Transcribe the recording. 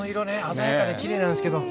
鮮やかできれいなんですけど。